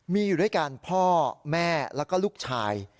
มีอยู่ด้วยกันพ่อแม่แล้วก็ลูกชาย